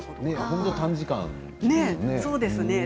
本当に短時間ですね。